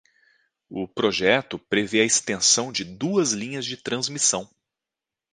O projeto prevê a extensão de duas linhas de transmissão